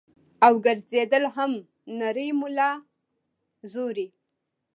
او ګرځېدل هم نرۍ ملا زوري -